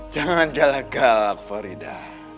jangan galak galak farida